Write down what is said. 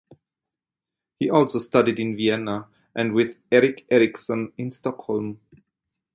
He also studied in Vienna and with Eric Ericson in Stockholm.